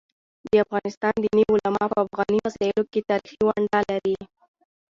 د افغانستان دیني علماء په افغاني مسايلو کيتاریخي ونډه لري.